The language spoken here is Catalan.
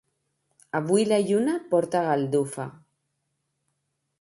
Avui la lluna porta galdufa.